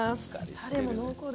タレも濃厚で。